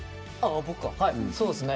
そうですね。